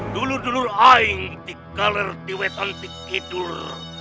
dulu dulul aing di galer diwetan dikidur